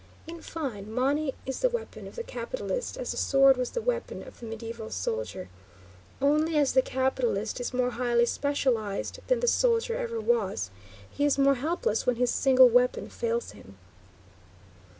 In fine, money is the weapon of the capitalist as the sword was the weapon of the mediaeval soldier; only, as the capitalist is more highly specialized than the soldier ever was, he is more helpless when his single weapon fails him.